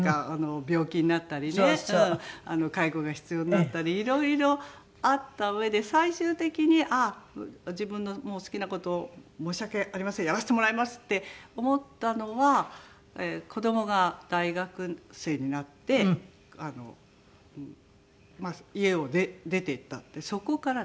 病気になったりね介護が必要になったりいろいろあったうえで最終的に自分の好きな事を申し訳ありませんやらせてもらいますって思ったのは子どもが大学生になって家を出ていったってそこからですね。